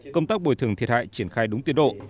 công tác bồi thường thiệt hại triển khai đúng tiến độ